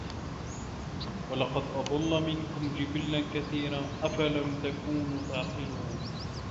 وَلَقَد أَضَلَّ مِنكُم جِبِلًّا كَثيرًا أَفَلَم تَكونوا تَعقِلونَ